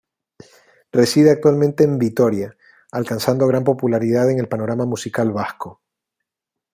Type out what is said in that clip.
Reside actualmente en Vitoria, alcanzando gran popularidad en el panorama musical vasco.